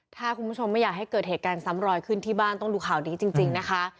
ถ้าคุณผู้ชมไม่อยากให้เกิดเหตุการณ์ซ้ำรอยขึ้นที่บ้านต้องดูข่าวนี้จริงนะคะ